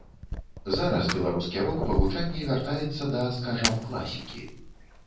Зараз беларускі рок па гучанні вяртаецца да, скажам, класікі.